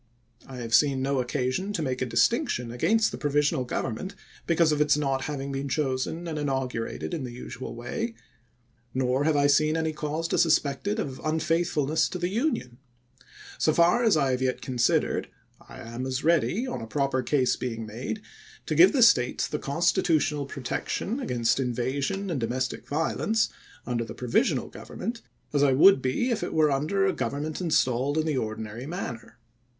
I have seen no occasion to make a distinc 228 ABRAHAM LINCOLN Lincoln to Gamble, Oct. 19, 1863. MS. tion against the provisional government because of its not having been chosen and inaugurated in the usual way. Nor have I seen any cause to suspect it of unfaith fulness to the Union. So far as I have yet considered, I am as ready, on a proper case made, to give the State the Constitutional protection against invasion and domestic violence, under the provisional government, as I would be if it were under a government installed in the ordinary manner.